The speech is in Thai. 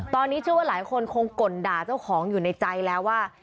ตอนนี้เชื่อว่าหลายคนคงก่นด่าเจ้าของอยู่ในใจแล้วว่า